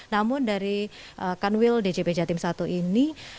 namun dari kanwil djp jawa timur i ini